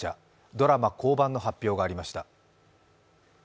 ドラマ降板の発表がありました。